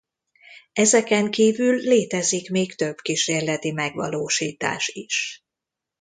Ezeken kívül létezik még több kísérleti megvalósítás is.